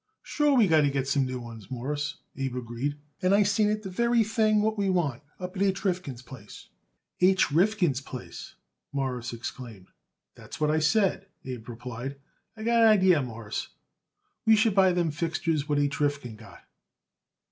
"Sure we got to get some new ones, Mawruss," Abe agreed, "and I seen it the very thing what we want up at H. Rifkin's place." "H. Rifkin's place," Morris exclaimed. "That's what I said," Abe replied. "I got an idee, Mawruss, we should buy them fixtures what H. Rifkin got."